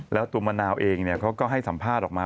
แล้วตัวมะนาวเองเขาก็ให้สัมภาษณ์ออกมา